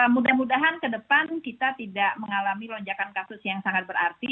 mudah mudahan ke depan kita tidak mengalami lonjakan kasus yang sangat berarti